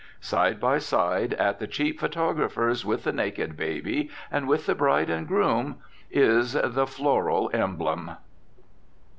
Side by side at the cheap photographer's with the naked baby and with the bride and groom is the "floral emblem."